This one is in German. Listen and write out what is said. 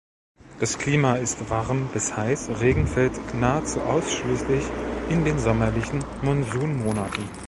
Das Klima ist warm bis heiß; Regen fällt nahezu ausschließlich in den sommerlichen Monsunmonaten.